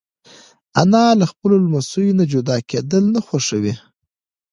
انا له خپلو لمسیو نه جدا کېدل نه خوښوي